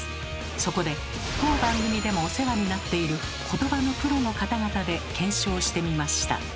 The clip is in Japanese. そこで当番組でもお世話になっていることばのプロの方々で検証してみました。